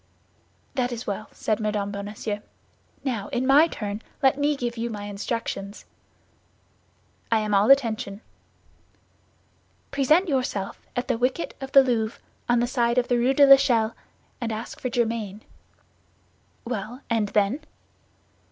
"That is well," said Mme. Bonacieux. "Now, in my turn, let me give you my instructions." "I am all attention." "Present yourself at the wicket of the Louvre, on the side of the Rue de l'Echelle, and ask for Germain." "Well, and then?"